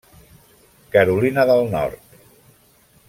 Carolina del Nord.